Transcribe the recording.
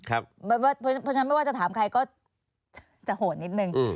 เพราะฉะนั้นไม่ว่าจะถามใครก็จะโหดนิดนึง